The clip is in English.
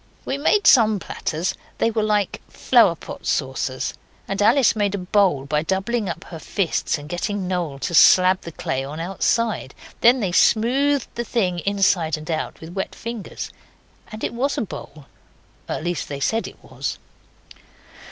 We made some platters they were like flower pot saucers; and Alice made a bowl by doubling up her fists and getting Noel to slab the clay on outside. Then they smoothed the thing inside and out with wet fingers, and it was a bowl at least they said it was.